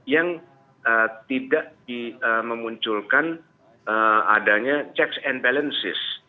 yang tidak memunculkan adanya checks and balances